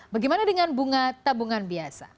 bagaimana dengan bunga tabungan biasa